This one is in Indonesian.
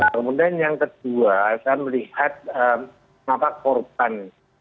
kemudian yang kedua saya melihat korban